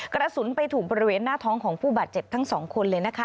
กระสุนไปถูกบริเวณหน้าท้องของผู้บาดเจ็บทั้งสองคนเลยนะคะ